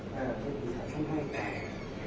แต่ว่าไม่มีปรากฏว่าถ้าเกิดคนให้ยาที่๓๑